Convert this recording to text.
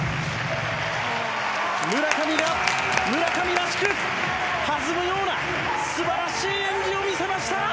村上が村上らしく弾むような素晴らしい演技を見せました！